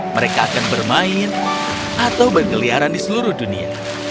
mereka akan bermain atau berkeliaran di seluruh dunia